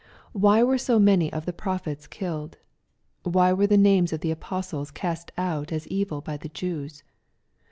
Why were so many of the prophets killed t Why were the names of the apostles cast out as evil by the Jews